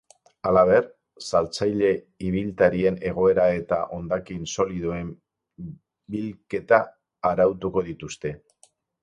Halaber, saltzaile ibiltarien egoera eta hondakin solidoen bilketa arautuko dituzte.